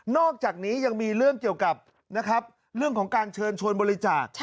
อกจากนี้ยังมีเรื่องเกี่ยวกับนะครับเรื่องของการเชิญชวนบริจาค